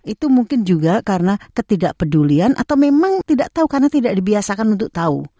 itu mungkin juga karena ketidakpedulian atau memang tidak tahu karena tidak dibiasakan untuk tahu